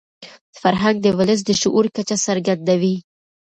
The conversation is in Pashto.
فرهنګ د ولس د شعور کچه څرګندوي.